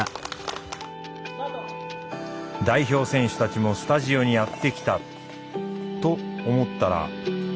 代表選手たちもスタジオにやって来た！と思ったらあれ？